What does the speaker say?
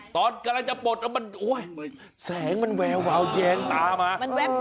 ตอนกำลังจะปวดแสงมันแววแยงตามา